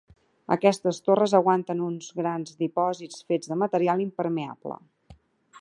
Aquestes torres aguanten uns grans dipòsits fets de material impermeable.